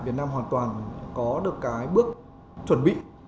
việt nam hoàn toàn có được cái bước chuẩn bị